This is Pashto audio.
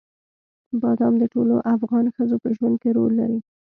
بادام د ټولو افغان ښځو په ژوند کې رول لري.